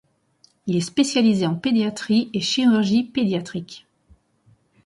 Il est spécialisé en pédiatrie et chirurgie pédiatrique.